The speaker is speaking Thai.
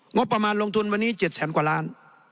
งบประมาณลงทุนวันนี้๗แสนกว่าล้าน